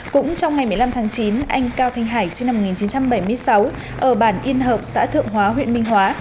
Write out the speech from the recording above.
cũng trong ngày một mươi năm tháng chín anh cao thanh hải sinh năm một nghìn chín trăm bảy mươi sáu ở bản yên hợp xã thượng hóa huyện minh hóa